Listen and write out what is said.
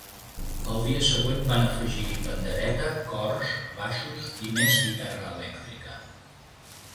Al dia següent van afegir-hi pandereta, cors, baixos i més guitarra elèctrica.